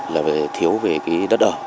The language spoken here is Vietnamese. là thiếu về đất ở